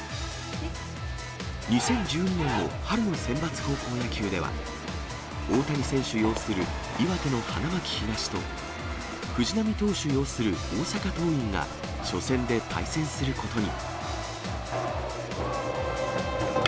２０１２年の春のセンバツ高校野球では、大谷選手擁する岩手の花巻東と、藤浪投手擁する大阪桐蔭が初戦で対戦することに。